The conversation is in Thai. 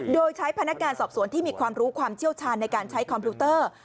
โดยใช้พนักงานสอบสวนที่มีความรู้ความเชี่ยวชาญในการใช้คอมพิวเตอร์